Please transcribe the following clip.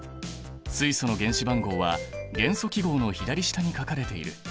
水素の原子番号は元素記号の左下に書かれている。